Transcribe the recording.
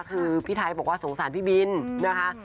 คือพี่ไทยบอกว่าสงสารพี่บินนะคะ